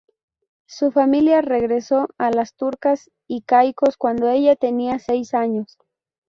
Su familia regresó a las Turcas y Caicos cuando ella tenía seis años.